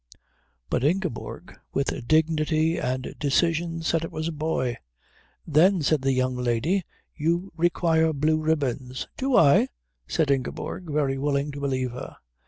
But Ingeborg, with dignity and decision, said it was a boy. "Then," said the young lady, "you require blue ribbons." "Do I?" said Ingeborg, very willing to believe her.